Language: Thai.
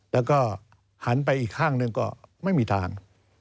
แล้วก็หันไปอีกข้างหนึ่งก็ไม่มีทาง